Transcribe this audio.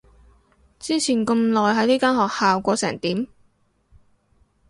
之前咁耐喺呢間學校過成點？